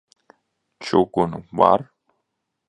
Čugunu var?